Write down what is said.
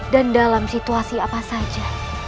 dan dalam situasi apa saja